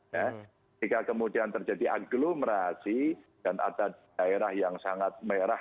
ketika kemudian terjadi agglomerasi dan ada daerah yang sangat merah